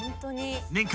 ［年間